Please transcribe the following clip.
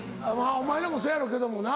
お前らもそやろうけどもな。